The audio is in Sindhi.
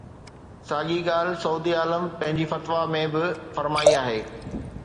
ساڳي ڳالهه سعودي عالم پنهنجي فتويٰ ۾ به فرمائي آهي.